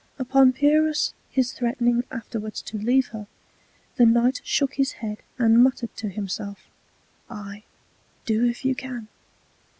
Upon Pyrrhus his threatning afterwards to leave her, the Knight shook his Head, and muttered to himself, Ay, do if you can.